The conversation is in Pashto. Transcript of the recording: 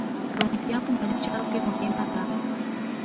روڼتیا په مالي چارو کې مهمه ده.